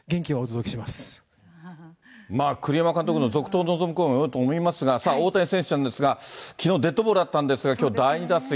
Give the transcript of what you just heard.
まあ、栗山監督の続投を望む声も多いと思いますが、さあ、大谷選手なんですが、きのう、デッドボールあったんですが、きょう、第２打席。